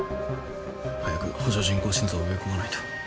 早く補助人工心臓を植え込まないと。